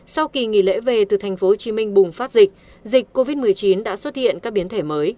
sau kỳ nghỉ lễ về từ tp hcm bùng phát dịch dịch covid một mươi chín đã xuất hiện các biến thể mới